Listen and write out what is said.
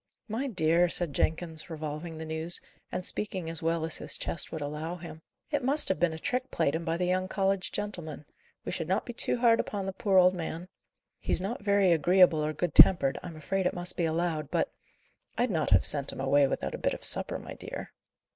"My dear," said Jenkins, revolving the news, and speaking as well as his chest would allow him, "it must have been a trick played him by the young college gentlemen. We should not be too hard upon the poor old man. He's not very agreeable or good tempered, I'm afraid it must be allowed; but I'd not have sent him away without a bit of supper, my dear."